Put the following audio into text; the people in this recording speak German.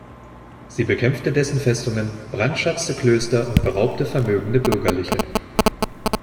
Sie bekämpfte dessen Festungen, brandschatzte Klöster und beraubte vermögende Bürgerliche.